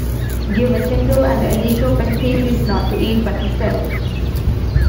Gumecindo and Alejo pick peaches, not to eat, but to sell.